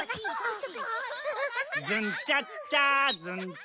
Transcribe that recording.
ずんちゃっちゃずんちゃっちゃ。